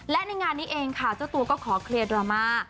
และในงานนี้เองค่ะเจ้าตัวก็ขอเคลียร์ดราม่า